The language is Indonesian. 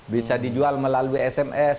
bisa dijual melalui sms